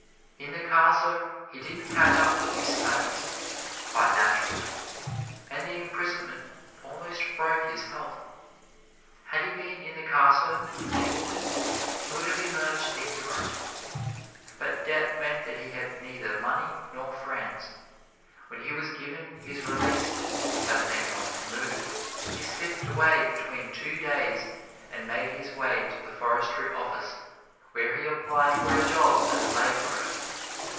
In the carcer he didn't catch up with his studies, quite naturally, and the imprisonment almost broke his health. Had he been in the carcer for dueling, he would have emerged a hero. But debt meant that he had neither money nor friends. When he was given his release, as an economic move, he slipped away between two days and made his way to the Forestry Office, where he applied for a job as laborer.